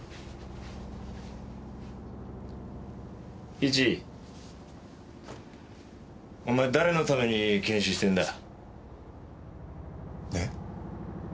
イチお前誰のために検視してんだ？え？